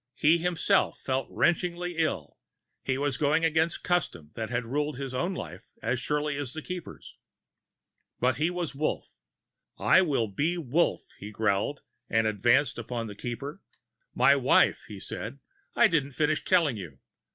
He himself felt wrenchingly ill; he was going against custom that had ruled his own life as surely as the Keeper's. But he was Wolf. "I will be Wolf," he growled, and advanced upon the Keeper. "My wife," he said, "I didn't finish telling you.